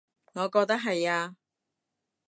我覺得係呀